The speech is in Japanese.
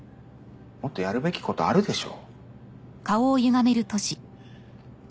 もっとやるべきことあるでしょ。